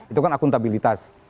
itu kan akuntabilitas